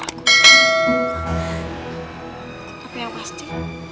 tapi yang pasti